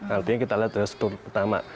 artinya kita lihat struktur pertama